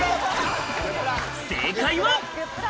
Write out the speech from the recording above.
正解は。